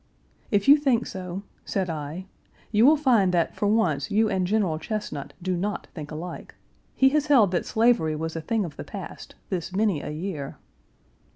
"If you think so," said I, "you will find that for once you and General Chesnut do not think alike. He has held that slavery was a thing of the past, this many a year."